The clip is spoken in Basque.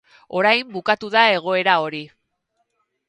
Orain, bukatu da egoera hori.